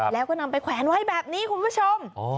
แล้วก็นำไปแขวนไว้แบบนี้คุณผู้ชม